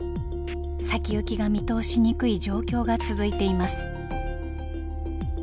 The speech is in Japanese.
先行きが見通しにくい状況が続いています。